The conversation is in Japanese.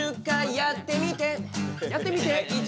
やってみて。